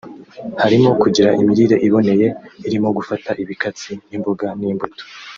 harimo kugira imirire iboneye (irimo gufata ibikatsi nk’imboga n’imbuto